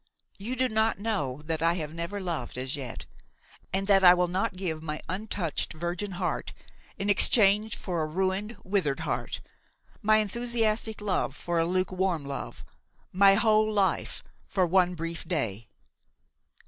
You do not know that I have never loved as yet and that I will not give my untouched virgin heart in exchange for a ruined, withered heart, my enthusiastic love for a lukewarm love, my whole life for one brief day!"